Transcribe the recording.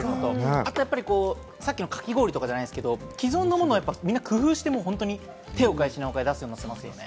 あと、さっきのかき氷とかじゃないですけれども、既存のものを工夫して手を変え、品を変え、出すようになってますね。